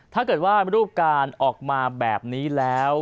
ถ้าเกิดว่ารูปการณ์ออกมาแบบนี้แล้ว